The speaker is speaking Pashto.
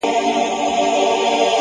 مینه کي اور بلوې ما ورته تنها هم پرېږدې؛